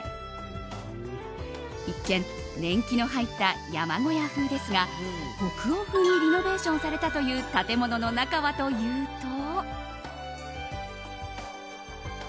一見、年季の入った山小屋風ですが北欧風にリノベーションされたという建物の中はというと。